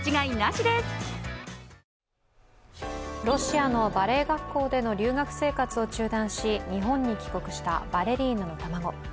ロシアのバレエ学校での留学生活を中断し日本に帰国したバレリーナの卵。